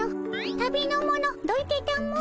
旅の者どいてたも。